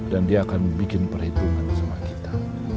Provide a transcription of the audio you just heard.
dan dia akan bikin perhitungan sama kita